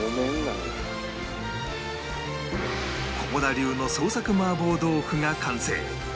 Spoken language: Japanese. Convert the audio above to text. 菰田流の創作麻婆豆腐が完成